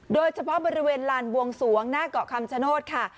โดยเฉพาะบริเวณลานบวงสวงหน้าเกาะคำชโนธค่ะ